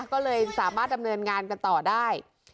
ก็เลยสามารถดำเนินงานกันต่อได้